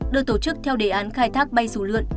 được tổ chức theo đề án khai thác bay dù lượn